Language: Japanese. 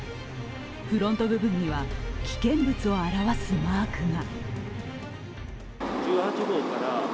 フロント部分には危険物を表すマークが。